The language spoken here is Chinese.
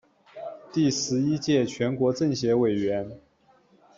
第十一届全国政协委员。